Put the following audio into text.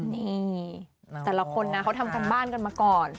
นี่แต่ละคนนะเขาทำการบ้านกันมาก่อน